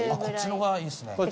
こっちの方がいいですね。